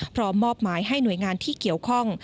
พร้อมมอบหมายให้หน่วยงานที่เกี่ยวข้อง